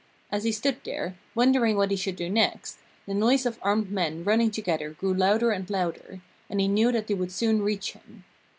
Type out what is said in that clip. As he stood there, wondering what he should do next, the noise of armed men running together grew louder and louder, and he knew that they would soon reach him.